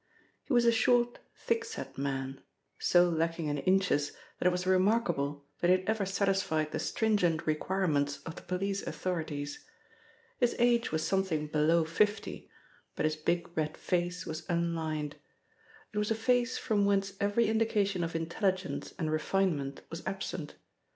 He was a short, thick set man, so lacking in inches that it was remarkable that he had ever satisfied the stringent requirements of the police authorities. His age was something below fifty, but his big red face was unlined. It was a face from whence every indication of intelligence and refinement was absent.